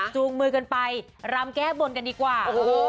จูงมือกันไปรำแก้บนกันดีกว่า